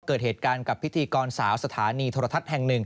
เกิดเหตุการณ์กับพิธีกรสาวสถานีโทรทัศน์แห่งหนึ่ง